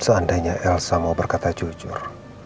seandainya elsa mau berkata jujur